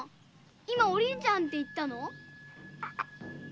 今「お凛ちゃん」って言ったの？